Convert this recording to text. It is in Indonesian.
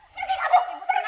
pergi kamu pergi